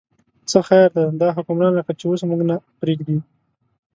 څه خیر دی، دا حکمران لکه چې اوس موږ نه پرېږدي.